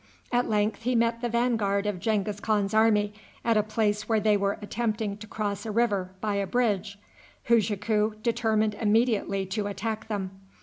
At length he met the vanguard of Genghis Khan's army at a place where they were attempting to cross a river by a bridge. Hujaku determined immediately to attack them.